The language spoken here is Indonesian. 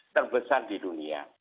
terbesar di dunia